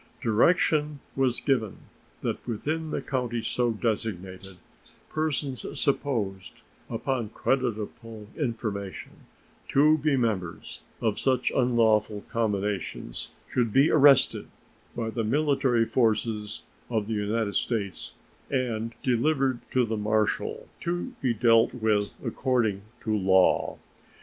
Direction was given that within the counties so designated persons supposed, upon creditable information, to be members of such unlawful combinations should be arrested by the military forces of the United States and delivered to the marshal, to be dealt with according to law.